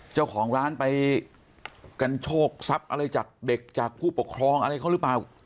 เจ้าของร้านไปกันโชคทรัพย์อะไรจากเด็กจากผู้ปกครองอะไรเขาหรือเปล่า